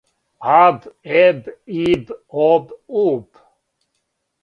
аб еб иб об уб